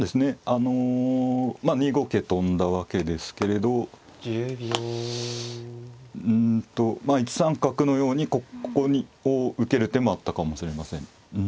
あの２五桂跳んだわけですけれどうんと１三角のようにここにこう受ける手もあったかもしれません。